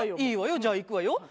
いいわよじゃあいくわよ。